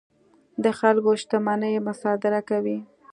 د خلکو شتمنۍ مصادره کوي.